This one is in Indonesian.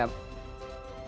bung rahlan meragukan